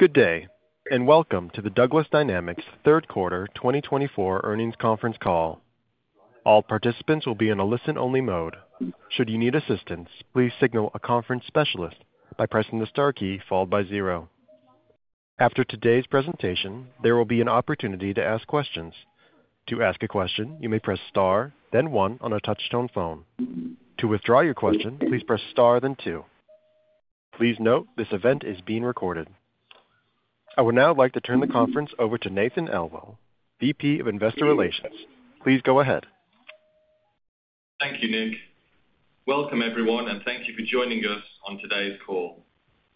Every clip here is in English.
Good day, and welcome to the Douglas Dynamics Third Quarter 2024 Earnings Conference Call. All participants will be in a listen-only mode. Should you need assistance, please signal a conference specialist by pressing the star key followed by zero. After today's presentation, there will be an opportunity to ask questions. To ask a question, you may press star, then one on a touch-tone phone. To withdraw your question, please press star, then two. Please note this event is being recorded. I would now like to turn the conference over to Nathan Elwell, VP of Investor Relations. Please go ahead. Thank you, Nick. Welcome, everyone, and thank you for joining us on today's call.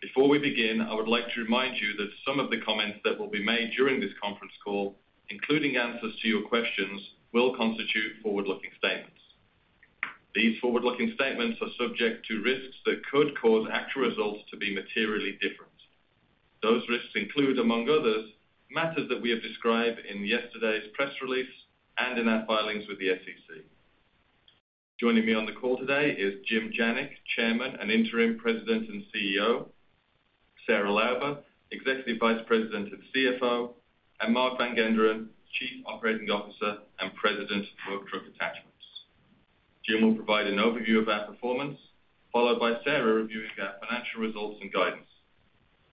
Before we begin, I would like to remind you that some of the comments that will be made during this conference call, including answers to your questions, will constitute forward-looking statements. These forward-looking statements are subject to risks that could cause actual results to be materially different. Those risks include, among others, matters that we have described in yesterday's press release and in our filings with the SEC. Joining me on the call today is Jim Janik, Chairman and Interim President and CEO, Sarah Lauber, Executive Vice President and CFO, and Mark Van Genderen, Chief Operating Officer and President of Work Truck Attachments. Jim will provide an overview of our performance, followed by Sarah reviewing our financial results and guidance.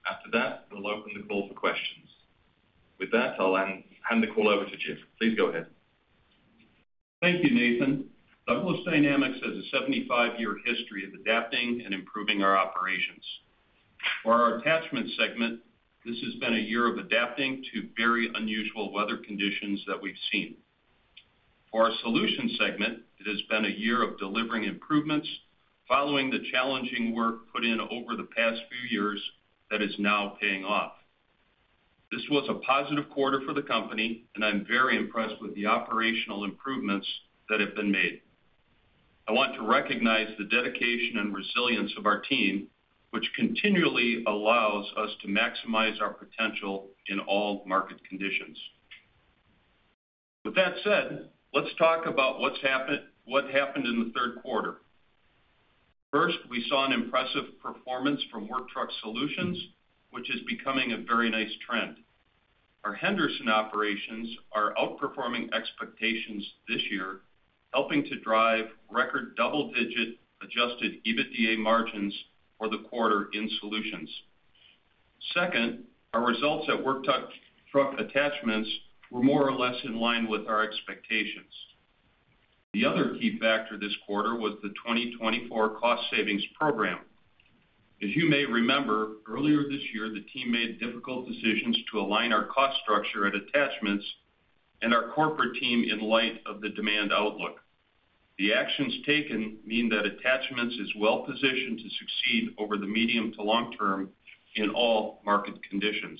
After that, we'll open the call for questions. With that, I'll hand the call over to Jim. Please go ahead. Thank you, Nathan. Douglas Dynamics has a 75-year history of adapting and improving our operations. For our attachment segment, this has been a year of adapting to very unusual weather conditions that we've seen. For our solution segment, it has been a year of delivering improvements following the challenging work put in over the past few years that is now paying off. This was a positive quarter for the company, and I'm very impressed with the operational improvements that have been made. I want to recognize the dedication and resilience of our team, which continually allows us to maximize our potential in all market conditions. With that said, let's talk about what's happened in the third quarter. First, we saw an impressive performance from Work Truck Solutions, which is becoming a very nice trend. Our Henderson operations are outperforming expectations this year, helping to drive record double-digit Adjusted EBITDA margins for the quarter in solutions. Second, our results at Work Truck Attachments were more or less in line with our expectations. The other key factor this quarter was the 2024 cost savings program. As you may remember, earlier this year, the team made difficult decisions to align our cost structure at attachments and our corporate team in light of the demand outlook. The actions taken mean that attachments is well-positioned to succeed over the medium to long term in all market conditions.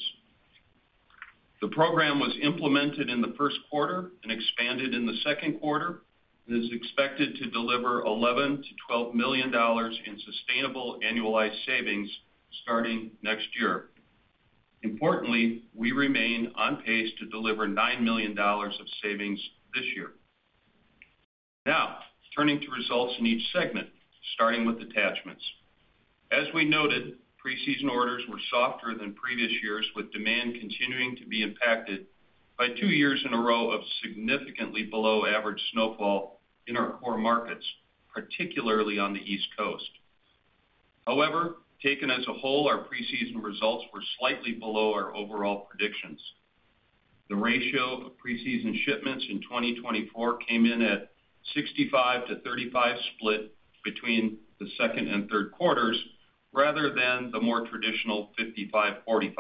The program was implemented in the first quarter and expanded in the second quarter, and is expected to deliver $11-$12 million in sustainable annualized savings starting next year. Importantly, we remain on pace to deliver $9 million of savings this year. Now, turning to results in each segment, starting with attachments. As we noted, pre-season orders were softer than previous years, with demand continuing to be impacted by two years in a row of significantly below-average snowfall in our core markets, particularly on the East Coast. However, taken as a whole, our pre-season results were slightly below our overall predictions. The ratio of pre-season shipments in 2024 came in at 65-35 split between the second and third quarters, rather than the more traditional 55-45.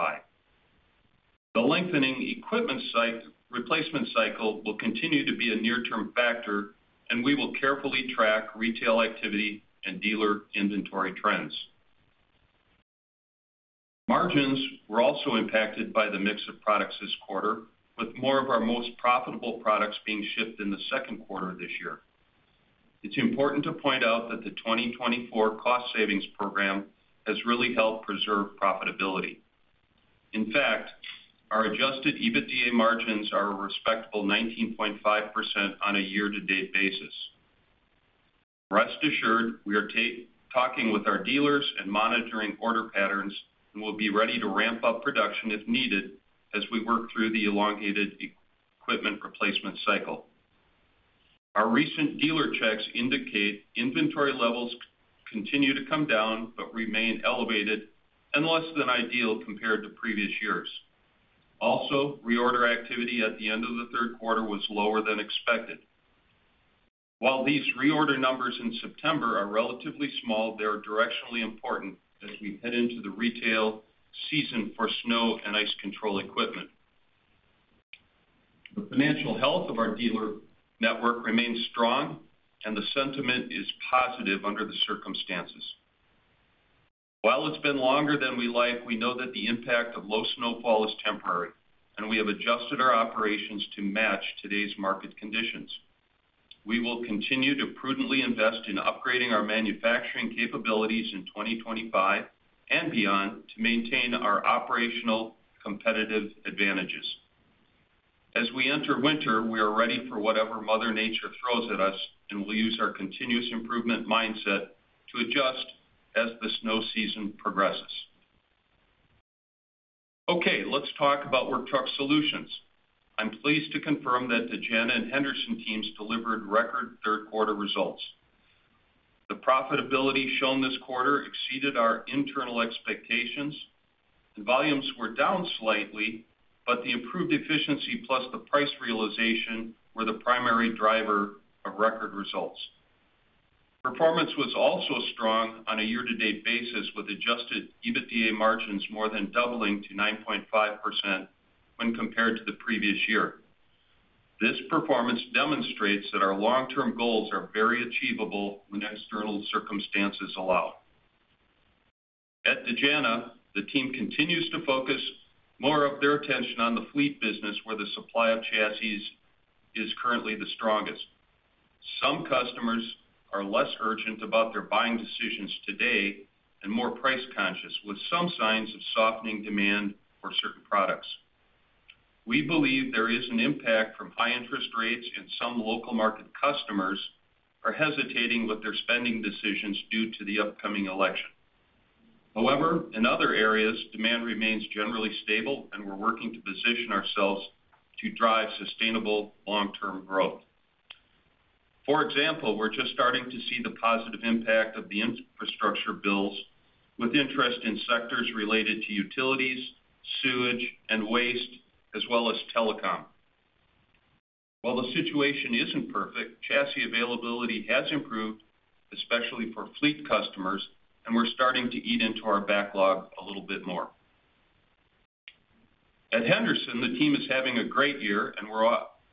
The lengthening equipment replacement cycle will continue to be a near-term factor, and we will carefully track retail activity and dealer inventory trends. Margins were also impacted by the mix of products this quarter, with more of our most profitable products being shipped in the second quarter of this year. It's important to point out that the 2024 cost savings program has really helped preserve profitability. In fact, our Adjusted EBITDA margins are a respectable 19.5% on a year-to-date basis. Rest assured, we are talking with our dealers and monitoring order patterns, and we'll be ready to ramp up production if needed as we work through the elongated equipment replacement cycle. Our recent dealer checks indicate inventory levels continue to come down but remain elevated and less than ideal compared to previous years. Also, reorder activity at the end of the third quarter was lower than expected. While these reorder numbers in September are relatively small, they are directionally important as we head into the retail season for snow and ice control equipment. The financial health of our dealer network remains strong, and the sentiment is positive under the circumstances. While it's been longer than we like, we know that the impact of low snowfall is temporary, and we have adjusted our operations to match today's market conditions. We will continue to prudently invest in upgrading our manufacturing capabilities in 2025 and beyond to maintain our operational competitive advantages. As we enter winter, we are ready for whatever Mother Nature throws at us, and we'll use our continuous improvement mindset to adjust as the snow season progresses. Okay, let's talk about Work Truck Solutions. I'm pleased to confirm that the Dejana and Henderson teams delivered record third-quarter results. The profitability shown this quarter exceeded our internal expectations, and volumes were down slightly, but the improved efficiency plus the price realization were the primary driver of record results. Performance was also strong on a year-to-date basis, with Adjusted EBITDA margins more than doubling to 9.5% when compared to the previous year. This performance demonstrates that our long-term goals are very achievable when external circumstances allow. At Dejana, the team continues to focus more of their attention on the fleet business, where the supply of chassis is currently the strongest. Some customers are less urgent about their buying decisions today and more price-conscious, with some signs of softening demand for certain products. We believe there is an impact from high interest rates, and some local market customers are hesitating with their spending decisions due to the upcoming election. However, in other areas, demand remains generally stable, and we're working to position ourselves to drive sustainable long-term growth. For example, we're just starting to see the positive impact of the infrastructure bills, with interest in sectors related to utilities, sewage, and waste, as well as telecom. While the situation isn't perfect, chassis availability has improved, especially for fleet customers, and we're starting to eat into our backlog a little bit more. At Henderson, the team is having a great year, and we're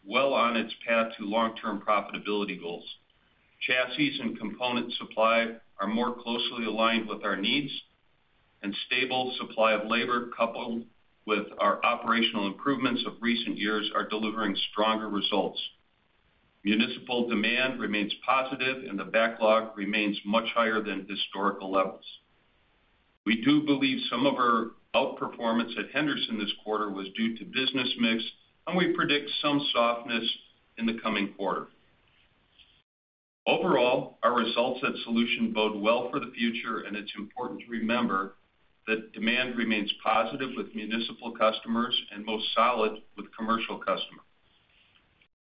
well on its path to long-term profitability goals. Chassis and component supply are more closely aligned with our needs, and stable supply of labor, coupled with our operational improvements of recent years, are delivering stronger results. Municipal demand remains positive, and the backlog remains much higher than historical levels. We do believe some of our outperformance at Henderson this quarter was due to business mix, and we predict some softness in the coming quarter. Overall, our results at Solutions bode well for the future, and it's important to remember that demand remains positive with municipal customers and most solid with commercial customers.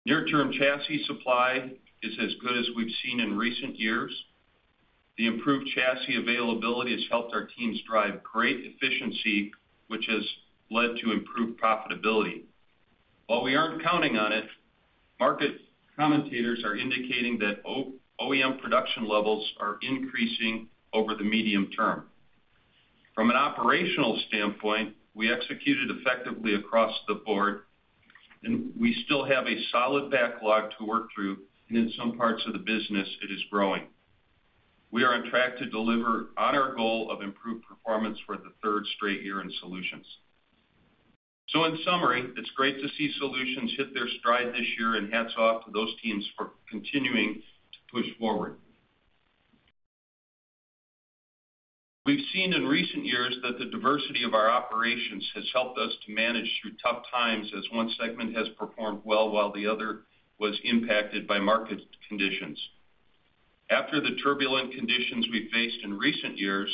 Near-term chassis supply is as good as we've seen in recent years. The improved chassis availability has helped our teams drive great efficiency, which has led to improved profitability. While we aren't counting on it, market commentators are indicating that OEM production levels are increasing over the medium term. From an operational standpoint, we executed effectively across the board, and we still have a solid backlog to work through, and in some parts of the business, it is growing. We are on track to deliver on our goal of improved performance for the third straight year in Solutions. So, in summary, it's great to see Solutions hit their stride this year, and hats off to those teams for continuing to push forward. We've seen in recent years that the diversity of our operations has helped us to manage through tough times, as one segment has performed well while the other was impacted by market conditions. After the turbulent conditions we've faced in recent years,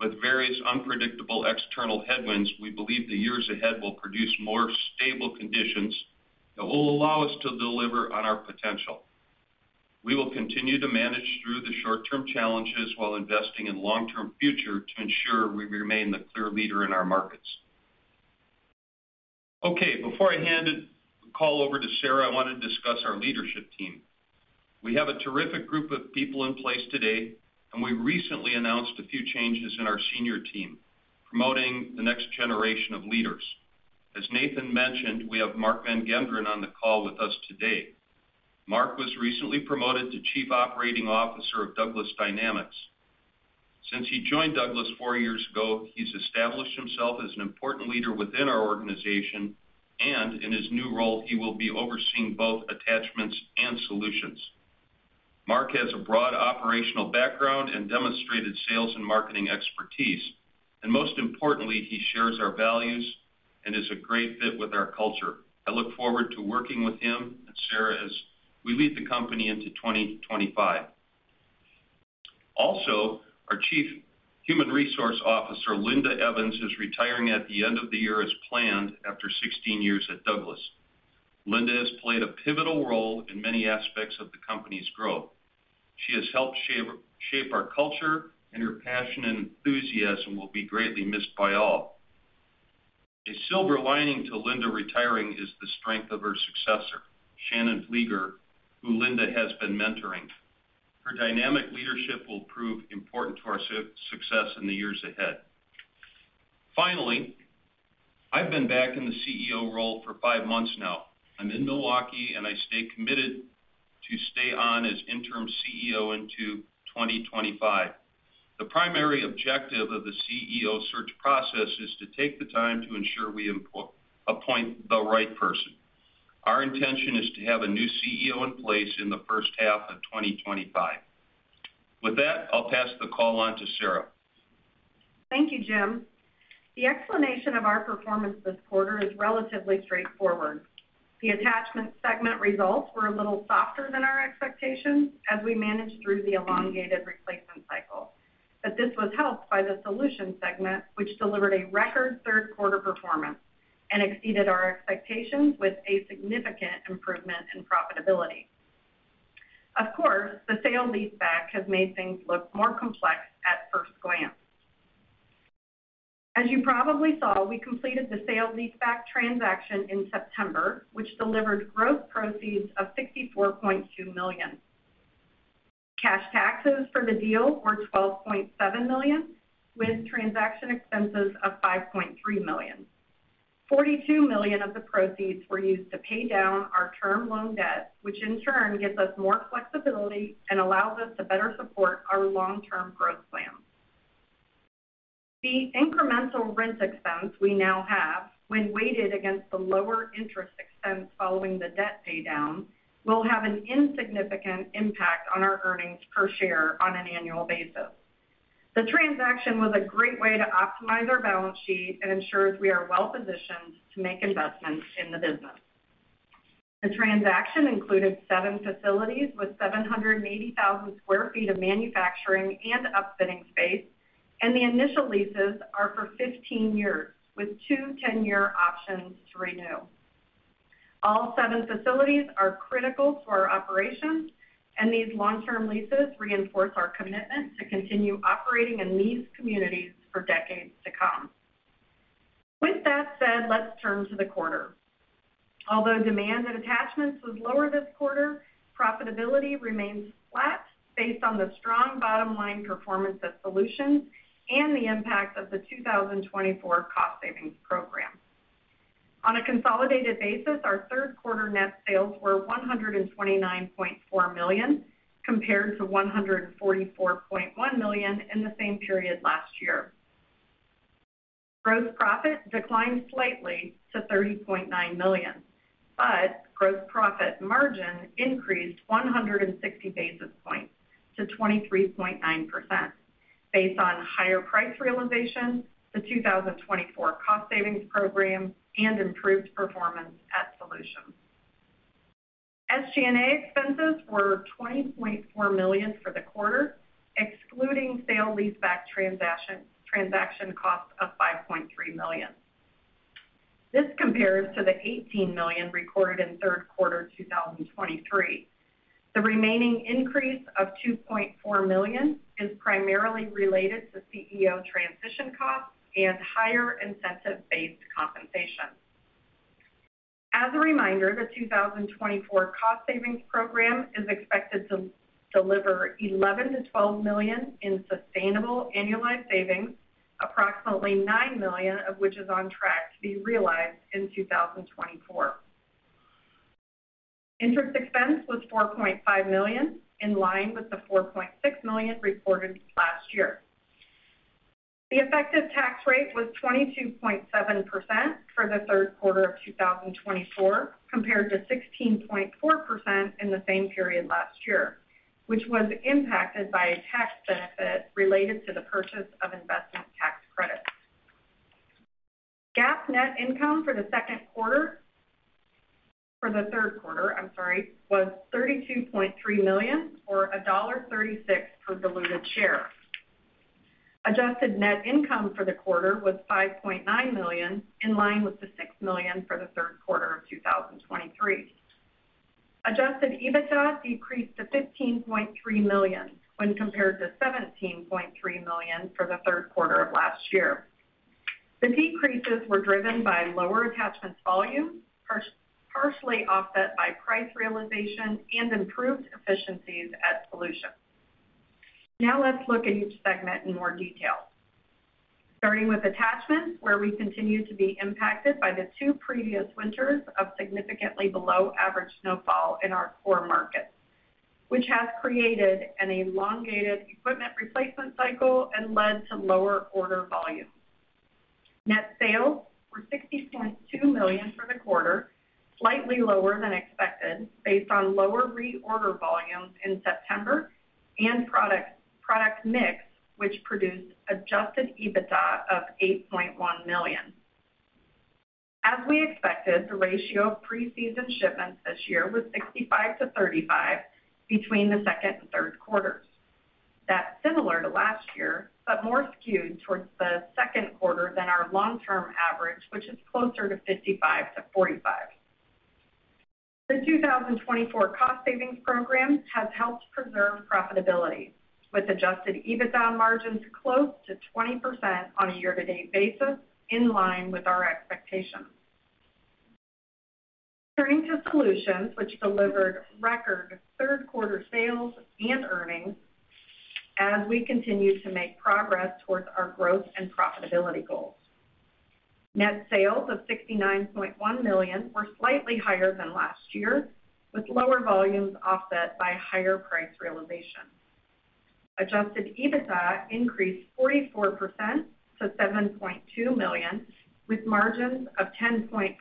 with various unpredictable external headwinds, we believe the years ahead will produce more stable conditions that will allow us to deliver on our potential. We will continue to manage through the short-term challenges while investing in the long-term future to ensure we remain the clear leader in our markets. Okay, before I hand the call over to Sarah, I want to discuss our leadership team. We have a terrific group of people in place today, and we recently announced a few changes in our senior team, promoting the next generation of leaders. As Nathan mentioned, we have Mark Van Genderen on the call with us today. Mark was recently promoted to Chief Operating Officer of Douglas Dynamics. Since he joined Douglas four years ago, he's established himself as an important leader within our organization, and in his new role, he will be overseeing both attachments and solutions. Mark has a broad operational background and demonstrated sales and marketing expertise, and most importantly, he shares our values and is a great fit with our culture. I look forward to working with him and Sarah as we lead the company into 2025. Also, our Chief Human Resources Officer, Linda Evans, is retiring at the end of the year as planned after 16 years at Douglas. Linda has played a pivotal role in many aspects of the company's growth. She has helped shape our culture, and her passion and enthusiasm will be greatly missed by all. A silver lining to Linda retiring is the strength of her successor, Shannon Vlieger, who Linda has been mentoring. Her dynamic leadership will prove important to our success in the years ahead. Finally, I've been back in the CEO role for five months now. I'm in Milwaukee, and I stay committed to stay on as Interim CEO into 2025. The primary objective of the CEO search process is to take the time to ensure we appoint the right person. Our intention is to have a new CEO in place in the first half of 2025. With that, I'll pass the call on to Sarah. Thank you, Jim. The explanation of our performance this quarter is relatively straightforward. The attachment segment results were a little softer than our expectations as we managed through the elongated replacement cycle. But this was helped by the solution segment, which delivered a record third quarter performance and exceeded our expectations with a significant improvement in profitability. Of course, the sale-leaseback has made things look more complex at first glance. As you probably saw, we completed the sale-leaseback transaction in September, which delivered gross proceeds of $64.2 million. Cash taxes for the deal were $12.7 million, with transaction expenses of $5.3 million. $42 million of the proceeds were used to pay down our term loan debt, which in turn gives us more flexibility and allows us to better support our long-term growth plan. The incremental rent expense we now have, when weighted against the lower interest expense following the debt paydown, will have an insignificant impact on our earnings per share on an annual basis. The transaction was a great way to optimize our balance sheet and ensures we are well-positioned to make investments in the business. The transaction included seven facilities with 780,000 sq ft of manufacturing and upfitting space, and the initial leases are for 15 years, with two 10-year options to renew. All seven facilities are critical for our operations, and these long-term leases reinforce our commitment to continue operating in these communities for decades to come. With that said, let's turn to the quarter. Although demand at Attachments was lower this quarter, profitability remains flat based on the strong bottom-line performance at Solutions and the impact of the 2024 cost savings program. On a consolidated basis, our third quarter net sales were $129.4 million compared to $144.1 million in the same period last year. Gross profit declined slightly to $30.9 million, but gross profit margin increased 160 basis points to 23.9% based on higher price realization, the 2024 cost savings program, and improved performance at Solutions. SG&A expenses were $20.4 million for the quarter, excluding sale-leaseback transaction cost of $5.3 million. This compares to the $18 million recorded in third quarter 2023. The remaining increase of $2.4 million is primarily related to CEO transition costs and higher incentive-based compensation. As a reminder, the 2024 cost savings program is expected to deliver $11 to $12 million in sustainable annualized savings, approximately $9 million of which is on track to be realized in 2024. Interest expense was $4.5 million, in line with the $4.6 million reported last year. The effective tax rate was 22.7% for the third quarter of 2024, compared to 16.4% in the same period last year, which was impacted by a tax benefit related to the purchase of investment tax credits. GAAP net income for the second quarter for the third quarter, I'm sorry, was $32.3 million or $1.36 per diluted share. Adjusted net income for the quarter was $5.9 million, in line with the $6 million for the third quarter of 2023. Adjusted EBITDA decreased to $15.3 million when compared to $17.3 million for the third quarter of last year. The decreases were driven by lower attachments volume, partially offset by price realization, and improved efficiencies at Solutions. Now let's look at each segment in more detail. Starting with Attachments, where we continue to be impacted by the two previous winters of significantly below average snowfall in our core markets, which has created an elongated equipment replacement cycle and led to lower order volumes. Net sales were $60.2 million for the quarter, slightly lower than expected based on lower reorder volumes in September and product mix, which produced adjusted EBITDA of $8.1 million. As we expected, the ratio of pre-season shipments this year was 65 to 35 between the second and third quarters. That's similar to last year, but more skewed towards the second quarter than our long-term average, which is closer to 55 to 45. The 2024 cost savings program has helped preserve profitability, with adjusted EBITDA margins close to 20% on a year-to-date basis, in line with our expectations. Turning to Solutions, which delivered record third-quarter sales and earnings as we continue to make progress towards our growth and profitability goals. Net sales of $69.1 million were slightly higher than last year, with lower volumes offset by higher price realization. Adjusted EBITDA increased 44% to $7.2 million, with margins of 10.4%,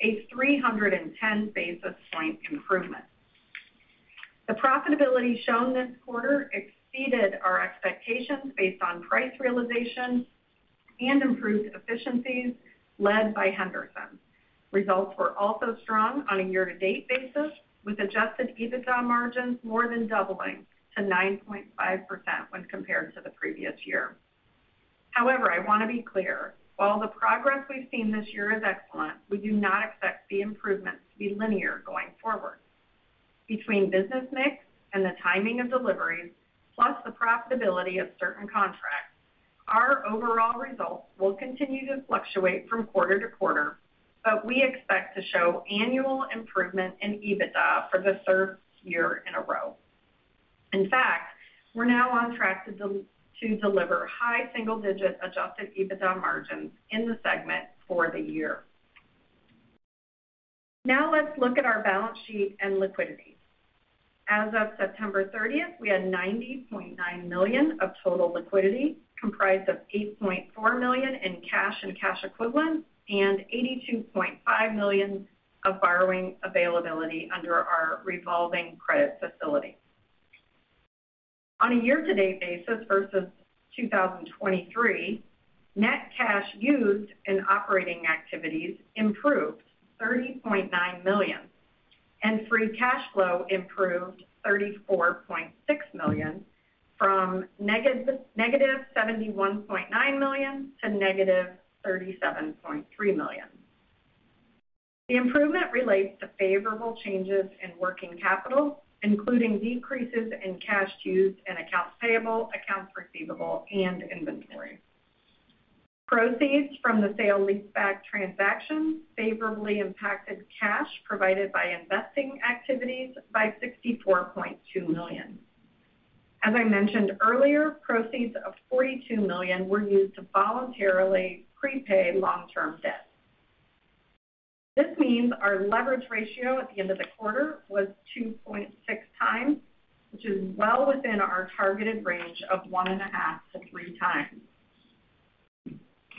a 310 basis points improvement. The profitability shown this quarter exceeded our expectations based on price realization and improved efficiencies led by Henderson. Results were also strong on a year-to-date basis, with Adjusted EBITDA margins more than doubling to 9.5% when compared to the previous year. However, I want to be clear. While the progress we've seen this year is excellent, we do not expect the improvements to be linear going forward. Between business mix and the timing of deliveries, plus the profitability of certain contracts, our overall results will continue to fluctuate from quarter to quarter, but we expect to show annual improvement in EBITDA for the third year in a row. In fact, we're now on track to deliver high single-digit Adjusted EBITDA margins in the segment for the year. Now let's look at our balance sheet and liquidity. As of September 30th, we had $90.9 million of total liquidity, comprised of $8.4 million in cash and cash equivalents, and $82.5 million of borrowing availability under our revolving credit facility. On a year-to-date basis versus 2023, net cash used in operating activities improved $30.9 million, and free cash flow improved $34.6 million from negative $71.9 million to negative $37.3 million. The improvement relates to favorable changes in working capital, including decreases in cash used in accounts payable, accounts receivable, and inventory. Proceeds from the sale-leaseback transaction favorably impacted cash provided by investing activities by $64.2 million. As I mentioned earlier, proceeds of $42 million were used to voluntarily prepay long-term debt. This means our leverage ratio at the end of the quarter was 2.6 times, which is well within our targeted range of one and a half to three times.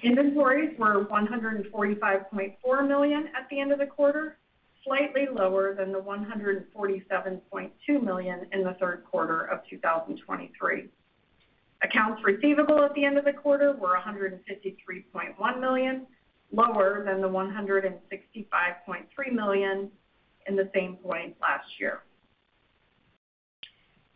Inventories were $145.4 million at the end of the quarter, slightly lower than the $147.2 million in the third quarter of 2023. Accounts receivable at the end of the quarter were $153.1 million, lower than the $165.3 million in the same point last year.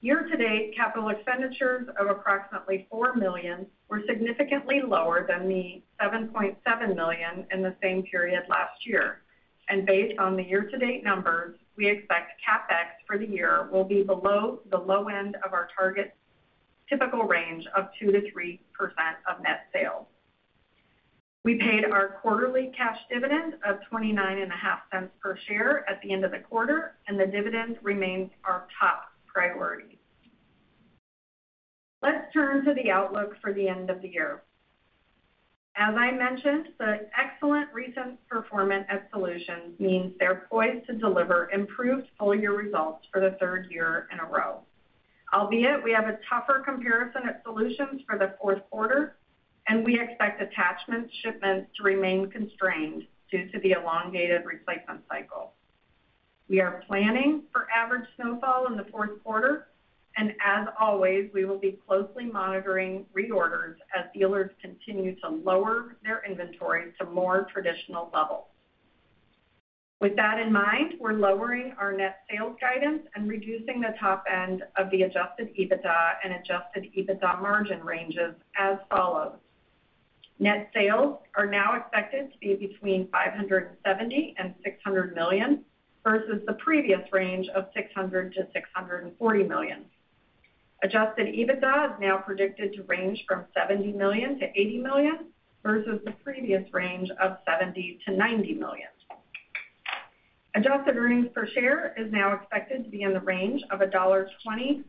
Year-to-date capital expenditures of approximately $4 million were significantly lower than the $7.7 million in the same period last year. And based on the year-to-date numbers, we expect CapEx for the year will be below the low end of our target typical range of 2%-3% of net sales. We paid our quarterly cash dividend of $0.29 per share at the end of the quarter, and the dividend remains our top priority. Let's turn to the outlook for the end of the year. As I mentioned, the excellent recent performance at Solutions means they're poised to deliver improved full-year results for the third year in a row. Albeit, we have a tougher comparison at Solutions for the fourth quarter, and we expect attachment shipments to remain constrained due to the elongated replacement cycle. We are planning for average snowfall in the fourth quarter, and as always, we will be closely monitoring reorders as dealers continue to lower their inventory to more traditional levels. With that in mind, we're lowering our net sales guidance and reducing the top end of the Adjusted EBITDA and Adjusted EBITDA margin ranges as follows. Net sales are now expected to be between $570-$600 million versus the previous range of $600-$640 million. Adjusted EBITDA is now predicted to range from $70-$80 million versus the previous range of $70-$90 million. Adjusted earnings per share is now expected to be in the range of $1.20-$1.60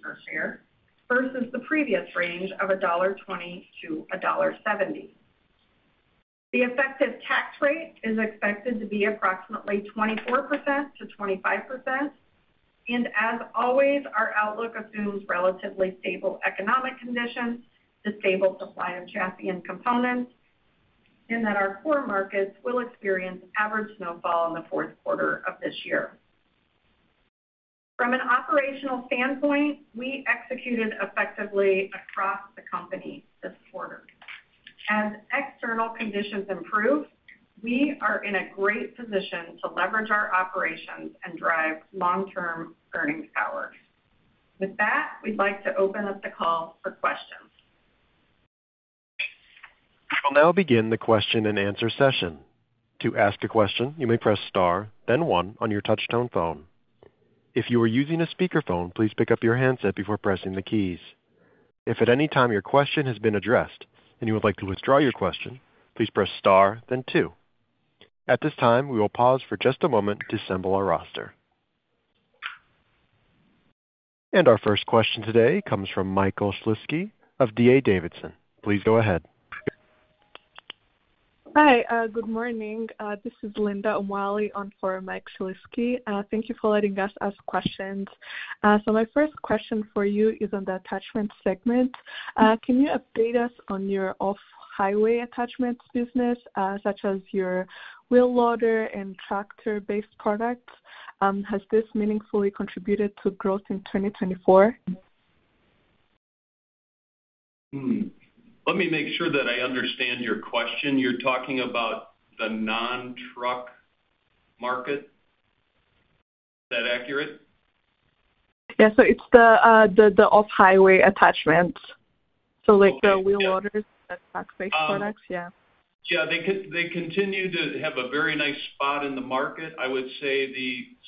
per share versus the previous range of $1.20-$1.70. The effective tax rate is expected to be approximately 24%-25%. And as always, our outlook assumes relatively stable economic conditions, the stable supply of chassis and components, and that our core markets will experience average snowfall in the fourth quarter of this year. From an operational standpoint, we executed effectively across the company this quarter. As external conditions improve, we are in a great position to leverage our operations and drive long-term earnings power. With that, we'd like to open up the call for questions. We'll now begin the question and answer session. To ask a question, you may press star, then one on your touch-tone phone. If you are using a speakerphone, please pick up your handset before pressing the keys. If at any time your question has been addressed and you would like to withdraw your question, please press star, then two. At this time, we will pause for just a moment to assemble our roster. Our first question today comes from Michael Shlisky of D.A. Davidson. Please go ahead. Hi, good morning. This is Linda Umwali on for Michael Shlisky. Thank you for letting us ask questions. So my first question for you is on the attachment segment. Can you update us on your off-highway attachments business, such as your wheel loader and tractor-based products? Has this meaningfully contributed to growth in 2024? Let me make sure that I understand your question. You're talking about the non-truck market. Is that accurate? Yeah. So it's the off-highway attachments. So like the wheel loaders and tractor-based products, yeah. Yeah. They continue to have a very nice spot in the market. I would say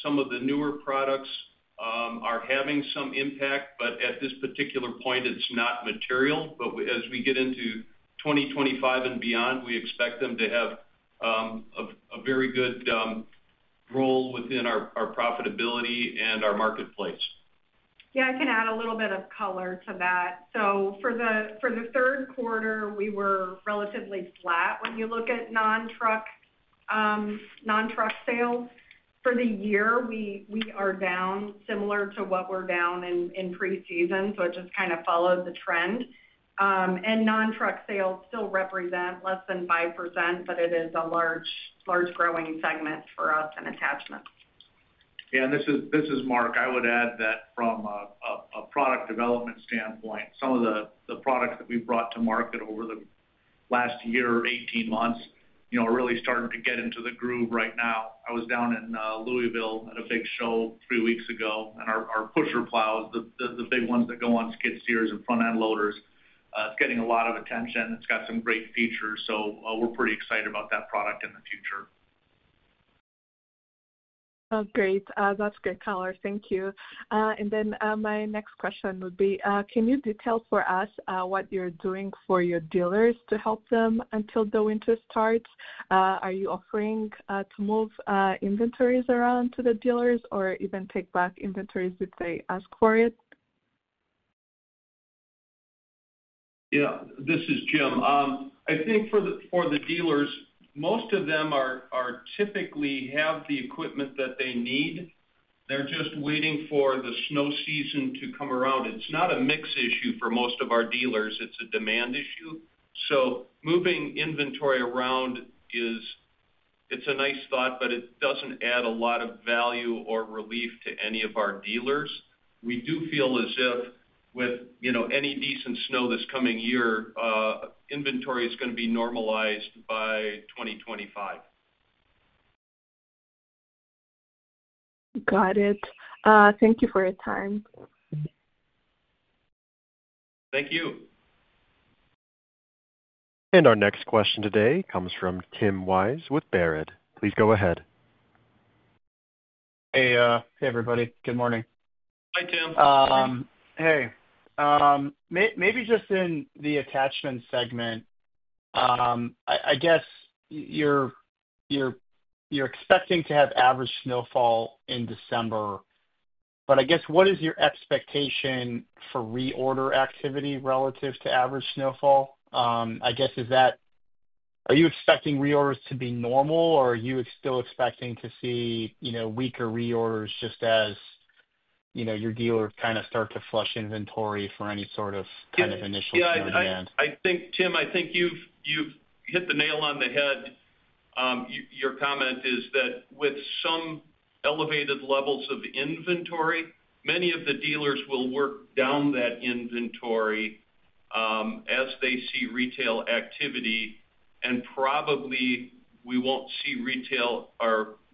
some of the newer products are having some impact, but at this particular point, it's not material. But as we get into 2025 and beyond, we expect them to have a very good role within our profitability and our marketplace. Yeah. I can add a little bit of color to that. So for the third quarter, we were relatively flat when you look at non-truck sales. For the year, we are down similar to what we're down in preseason, so it just kind of followed the trend. And non-truck sales still represent less than 5%, but it is a large growing segment for us in Attachments. Yeah. And this is Mark. I would add that from a product development standpoint, some of the products that we brought to market over the last year, 18 months, are really starting to get into the groove right now. I was down in Louisville at a big show three weeks ago, and our pusher plows, the big ones that go on skid steers and front-end loaders, it's getting a lot of attention. It's got some great features. So we're pretty excited about that product in the future. Great. That's great color. Thank you. And then my next question would be, can you detail for us what you're doing for your dealers to help them until the winter starts? Are you offering to move inventories around to the dealers or even take back inventories if they ask for it? Yeah. This is Jim. I think for the dealers, most of them typically have the equipment that they need. They're just waiting for the snow season to come around. It's not a mix issue for most of our dealers. It's a demand issue. So moving inventory around, it's a nice thought, but it doesn't add a lot of value or relief to any of our dealers. We do feel as if with any decent snow this coming year, inventory is going to be normalized by 2025. Got it. Thank you for your time. Thank you. Our next question today comes from Tim Wojs with Baird. Please go ahead. Hey, everybody. Good morning. Hi, Tim. Hey. Maybe just in the attachment segment, I guess you're expecting to have average snowfall in December, but I guess what is your expectation for reorder activity relative to average snowfall? I guess are you expecting reorders to be normal, or are you still expecting to see weaker reorders just as your dealers kind of start to flush inventory for any sort of kind of initial sales demand? Yeah. I think, Tim, I think you've hit the nail on the head. Your comment is that with some elevated levels of inventory, many of the dealers will work down that inventory as they see retail activity, and probably we won't see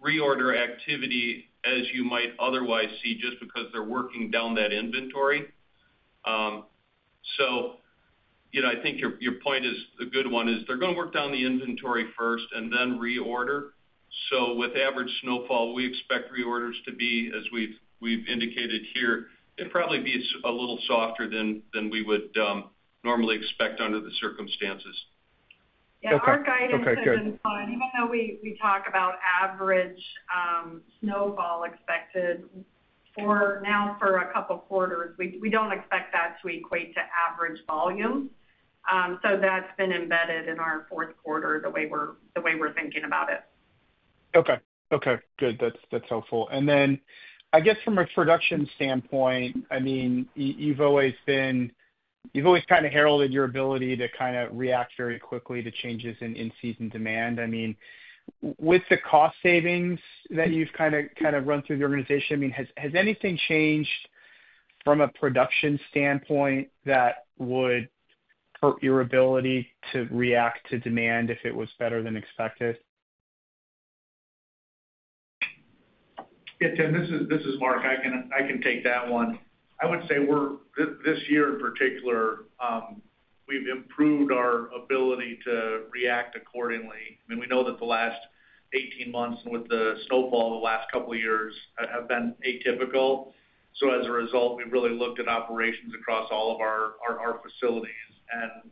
reorder activity as you might otherwise see just because they're working down that inventory. So I think your point is a good one. They're going to work down the inventory first and then reorder. So with average snowfall, we expect reorders to be, as we've indicated here, it'd probably be a little softer than we would normally expect under the circumstances. Yeah. Our guidance has been flat. Even though we talk about average snowfall expected now for a couple of quarters, we don't expect that to equate to average volume. So that's been embedded in our fourth quarter the way we're thinking about it. Okay. Okay. Good. That's helpful. And then I guess from a production standpoint, I mean, you've always kind of heralded your ability to kind of react very quickly to changes in in-season demand. I mean, with the cost savings that you've kind of run through the organization, I mean, has anything changed from a production standpoint that would hurt your ability to react to demand if it was better than expected? Yeah. This is Mark. I can take that one. I would say this year in particular, we've improved our ability to react accordingly. I mean, we know that the last 18 months with the snowfall of the last couple of years have been atypical. So as a result, we've really looked at operations across all of our facilities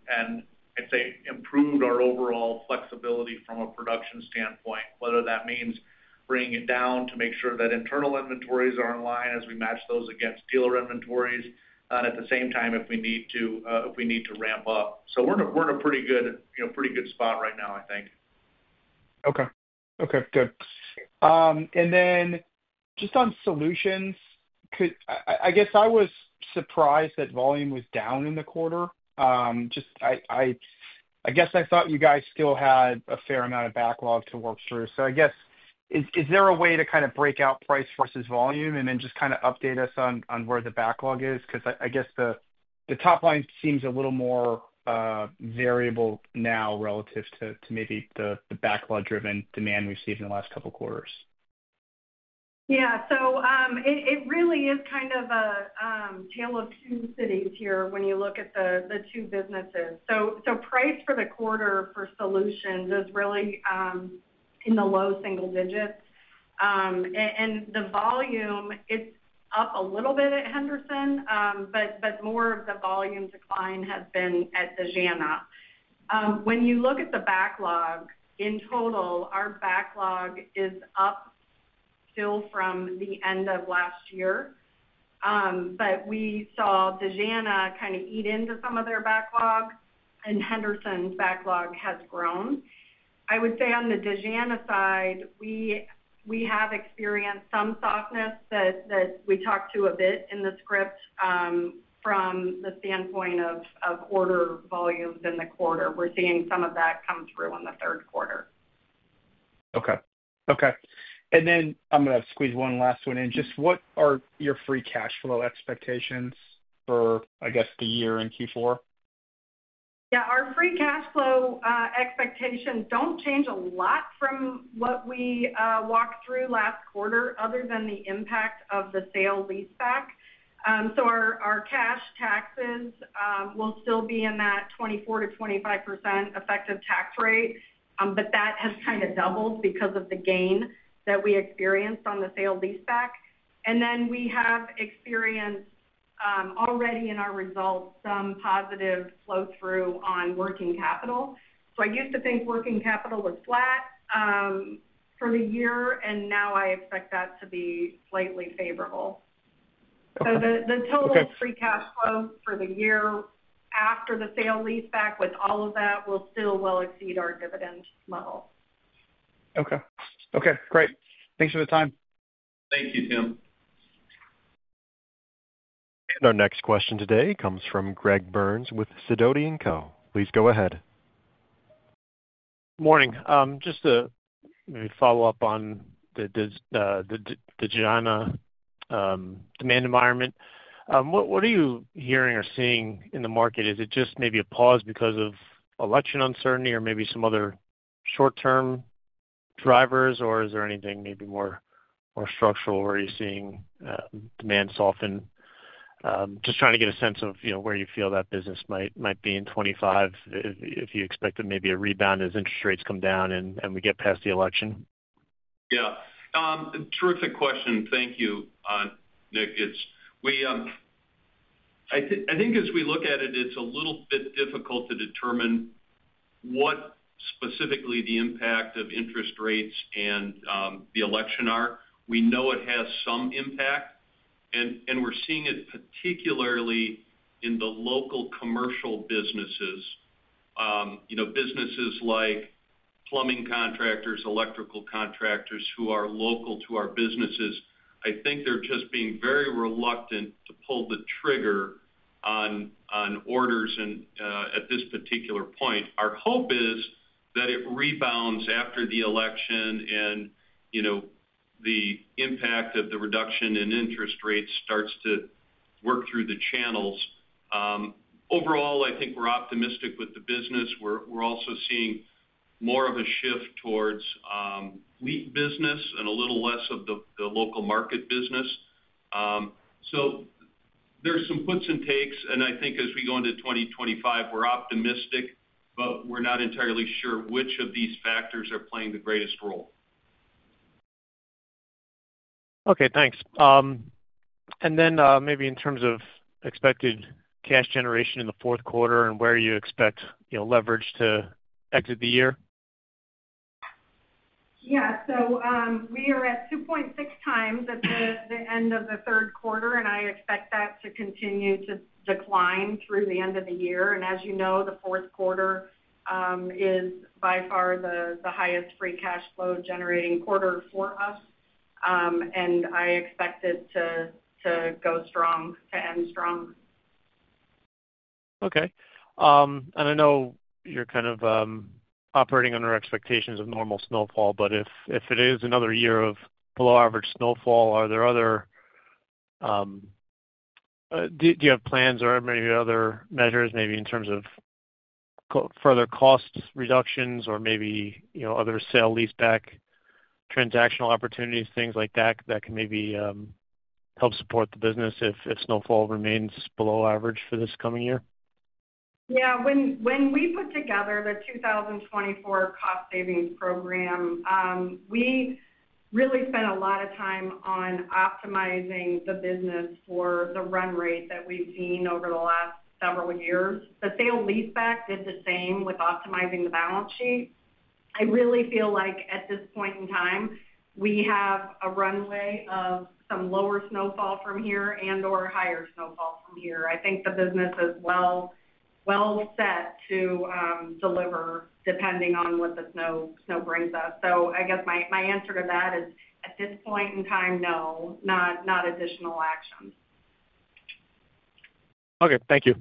and, I'd say, improved our overall flexibility from a production standpoint, whether that means bringing it down to make sure that internal inventories are in line as we match those against dealer inventories and at the same time, if we need to ramp up. So we're in a pretty good spot right now, I think. Okay. Okay. Good. And then just on Solutions, I guess I was surprised that volume was down in the quarter. I guess I thought you guys still had a fair amount of backlog to work through. So I guess, is there a way to kind of break out price versus volume and then just kind of update us on where the backlog is? Because I guess the top line seems a little more variable now relative to maybe the backlog-driven demand we've seen in the last couple of quarters. Yeah. So it really is kind of a tale of two cities here when you look at the two businesses. So price for the quarter for solutions is really in the low single digits. And the volume, it's up a little bit at Henderson, but more of the volume decline has been at Dejana. When you look at the backlog, in total, our backlog is up still from the end of last year. But we saw Dejana kind of eat into some of their backlog, and Henderson's backlog has grown. I would say on the Dejana side, we have experienced some softness that we talked to a bit in the script from the standpoint of order volumes in the quarter. We're seeing some of that come through in the third quarter. Okay. Okay. And then I'm going to squeeze one last one in. Just what are your free cash flow expectations for, I guess, the year in Q4? Yeah. Our free cash flow expectations don't change a lot from what we walked through last quarter other than the impact of the sale-leaseback. So our cash taxes will still be in that 24%-25% effective tax rate, but that has kind of doubled because of the gain that we experienced on the sale-leaseback. And then we have experienced already in our results some positive flow-through on working capital. So I used to think working capital was flat for the year, and now I expect that to be slightly favorable. So the total free cash flow for the year after the sale-leaseback with all of that will still well exceed our dividend model. Okay. Okay. Great. Thanks for the time. Thank you, Tim. And our next question today comes from Greg Burns with Sidoti & Co. Please go ahead. Morning. Just to maybe follow up on the Dejana demand environment, what are you hearing or seeing in the market? Is it just maybe a pause because of election uncertainty or maybe some other short-term drivers, or is there anything maybe more structural where you're seeing demand soften? Just trying to get a sense of where you feel that business might be in 2025 if you expect maybe a rebound as interest rates come down and we get past the election. Yeah. Terrific question. Thank you, Nick. I think as we look at it, it's a little bit difficult to determine what specifically the impact of interest rates and the election are. We know it has some impact, and we're seeing it particularly in the local commercial businesses, businesses like plumbing contractors, electrical contractors who are local to our businesses. I think they're just being very reluctant to pull the trigger on orders at this particular point. Our hope is that it rebounds after the election and the impact of the reduction in interest rates starts to work through the channels. Overall, I think we're optimistic with the business. We're also seeing more of a shift towards fleet business and a little less of the local market business. So there's some puts and takes, and I think as we go into 2025, we're optimistic, but we're not entirely sure which of these factors are playing the greatest role. Okay. Thanks. And then maybe in terms of expected cash generation in the fourth quarter and where you expect leverage to exit the year. Yeah. So we are at 2.6 times at the end of the third quarter, and I expect that to continue to decline through the end of the year. And as you know, the fourth quarter is by far the highest free cash flow generating quarter for us, and I expect it to go strong, to end strong. Okay. And I know you're kind of operating under expectations of normal snowfall, but if it is another year of below-average snowfall, are there other, do you have plans or maybe other measures maybe in terms of further cost reductions or maybe other sale-leaseback transactional opportunities, things like that that can maybe help support the business if snowfall remains below average for this coming year? Yeah. When we put together the 2024 Cost Savings Program, we really spent a lot of time on optimizing the business for the run rate that we've seen over the last several years. The sale-leaseback did the same with optimizing the balance sheet. I really feel like at this point in time, we have a runway of some lower snowfall from here and/or higher snowfall from here. I think the business is well set to deliver depending on what the snow brings us. So I guess my answer to that is, at this point in time, no, not additional actions. Okay. Thank you.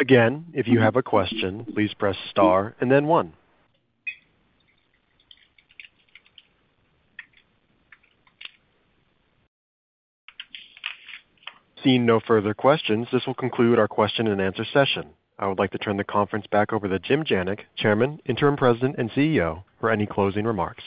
Again, if you have a question, please press star and then one. Seeing no further questions, this will conclude our question-and-answer session. I would like to turn the conference back over to Jim Janik, Chairman, Interim President, and CEO, for any closing remarks.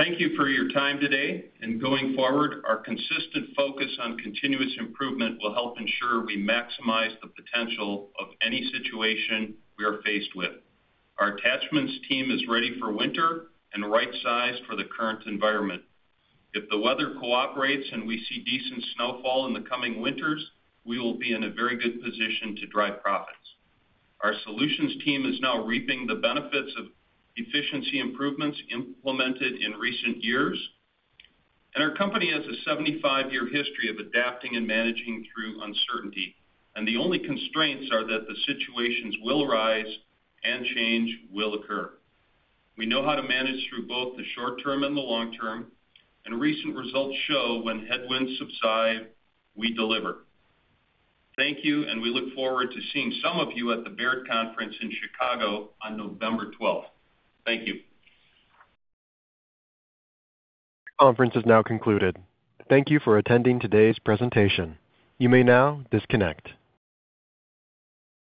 Thank you for your time today. And going forward, our consistent focus on continuous improvement will help ensure we maximize the potential of any situation we are faced with. Our attachments team is ready for winter and right-sized for the current environment. If the weather cooperates and we see decent snowfall in the coming winters, we will be in a very good position to drive profits. Our solutions team is now reaping the benefits of efficiency improvements implemented in recent years. Our company has a 75-year history of adapting and managing through uncertainty. The only constraints are that the situations will arise and change will occur. We know how to manage through both the short term and the long term. Recent results show when headwinds subside, we deliver. Thank you, and we look forward to seeing some of you at the Baird Conference in Chicago on November 12th. Thank you. The conference is now concluded. Thank you for attending today's presentation. You may now disconnect.